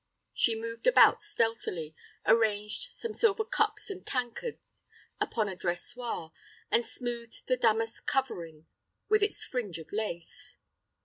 She moved about stealthily, arranged some silver cups and tankards upon a dressoir, and smoothed out the damask covering with its fringe of lace.